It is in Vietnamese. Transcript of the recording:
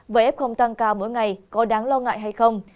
với f tăng cao mỗi ngày có đáng lo ngại hay không